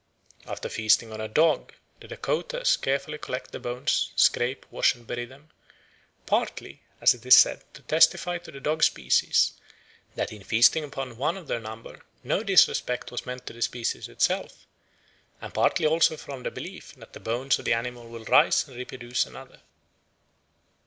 After feasting on a dog, the Dacotas carefully collect the bones, scrape, wash, and bury them, "partly, as it is said, to testify to the dog species, that in feasting upon one of their number no disrespect was meant to the species itself, and partly also from a belief that the bones of the animal will rise and reproduce another."